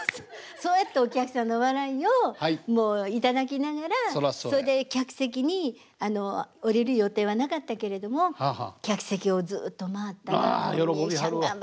そうやってお客さんの笑いを頂きながらそれで客席に下りる予定はなかったけれども客席をずっと回ったら「美幸ちゃん頑張りや」